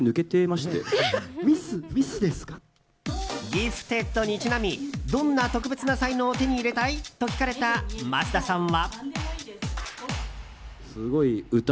「ギフテッド」にちなみどんな特別な才能を手に入れたい？と聞かれた増田さんは。